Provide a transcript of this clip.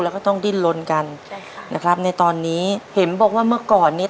แล้วก็ต้องดิ้นลนกันใช่ค่ะนะครับในตอนนี้เห็นบอกว่าเมื่อก่อนเนี้ย